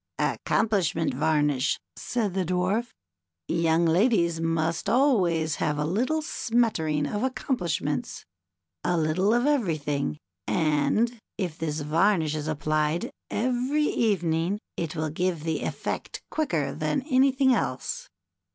'^Accomplishment Varnish," said the Dwarf. "Young ladies must always have a little smattering of accom plishments, a little of everything, and if this varnish is applied every evening, it will give the effect quicker than anything else."